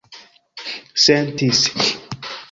sentis